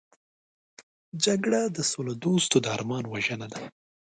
جګړه د سولهدوستو د ارمان وژنه ده